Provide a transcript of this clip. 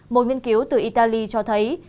một nghiên cứu từ italy cho thấy